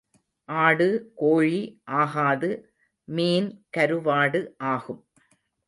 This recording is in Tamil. ஆடு கோழி ஆகாது மீன் கருவாடு ஆகும்.